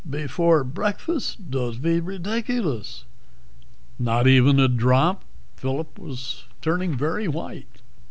"Before breakfast? Dod't be ridiculous." "Not even a drop?" Phillip was turning very white.